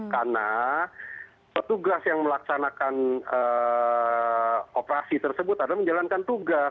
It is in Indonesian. karena petugas yang melaksanakan operasi tersebut adalah menjalankan tugas